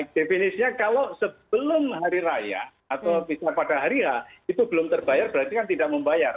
definisinya kalau sebelum hari raya atau bisa pada hari ya itu belum terbayar berarti kan tidak membayar